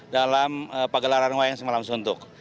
dalam pagelaran wayang semalam suntuk